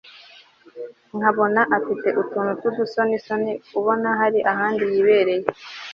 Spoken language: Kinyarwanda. nkabona afite utuntu twudusoni soni ubona hari ahandi yibereye